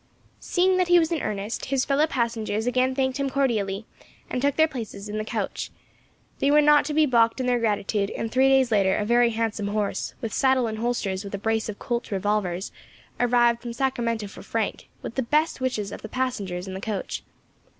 Seeing that he was in earnest, his fellow passengers again thanked him cordially, and took their places in the coach. They were not to be balked in their gratitude, and three days later a very handsome horse, with saddle and holsters with a brace of Colt's revolvers, arrived up from Sacramento for Frank, with the best wishes of the passengers in the coach.